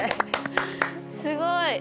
すごい！